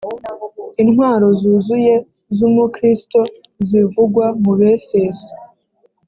intwaro zuzuye z’umukristo zivugwa mu befeso